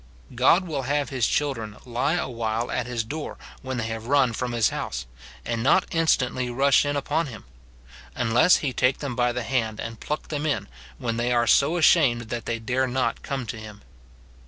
God will have his children lie a while at his door when they have run from his house, and not instantly rush in upon him ; unless he take them by the hand and pluck them in, when they are so ashamed that they dare not come to him.